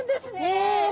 え！